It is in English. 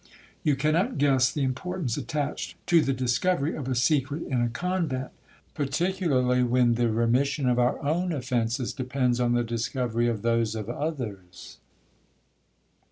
You cannot guess the importance attached to the discovery of a secret in a convent, (particularly when the remission of our own offences depends on the discovery of those of others.)